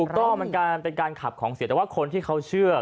ต้องการเป็นการขับของเสียแต่ว่าคนที่เขาเชื่อ